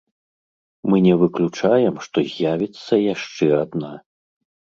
Мы не выключаем, што з'явіцца яшчэ адна!